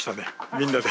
みんなで。